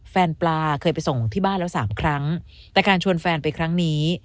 ปลาเคยไปส่งที่บ้านแล้วสามครั้งแต่การชวนแฟนไปครั้งนี้